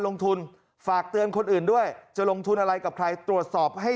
ลงทุนฝากเตือนคนอื่นด้วยจะลงทุนอะไรกับใครตรวจสอบให้